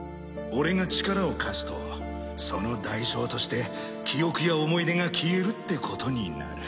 俺が力を貸すとその代償として記憶や思い出が消えるってことになる。